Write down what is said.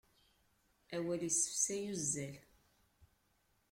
Awal isefsay uzzal.